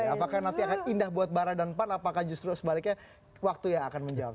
apakah nanti akan indah buat bara dan pan apakah justru sebaliknya waktu yang akan menjawab